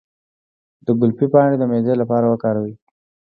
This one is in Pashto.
د ګلپي پاڼې د معدې لپاره وکاروئ